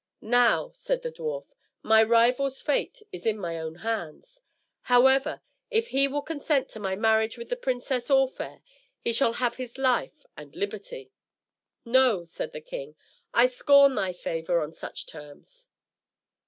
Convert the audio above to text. "Now," said the Dwarf, "my rival's fate is in my own hands; however, if he will consent to my marriage with the princess All Fair, he shall have his life and liberty." "No," said the king, "I scorn thy favour on such terms."